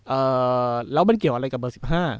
เอ่อแล้วมันเกี่ยวอะไรกับเบอร์สิบห้า